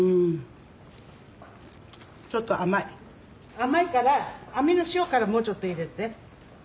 甘いからアミの塩辛もうちょっと入れて。